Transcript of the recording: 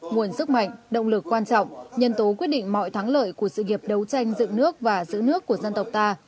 nguồn sức mạnh động lực quan trọng nhân tố quyết định mọi thắng lợi của sự nghiệp đấu tranh dựng nước và giữ nước của dân tộc ta